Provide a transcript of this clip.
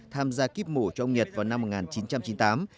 tham gia kíp mổ cho ông nhật vào năm một nghìn chín trăm chín mươi tám